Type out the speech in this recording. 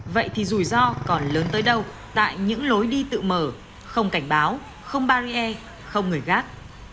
vậy thì rủi ro còn lớn tới đâu tại những lối đi tự mở không cảnh báo không barrier không người gác